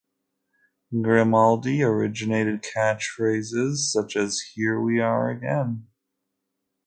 Grimaldi originated catchphrases such as Here we are again!